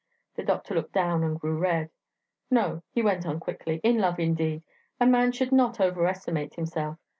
(The doctor looked down and grew red.) "No," he went on quickly, "in love, indeed! A man should not over estimate himself.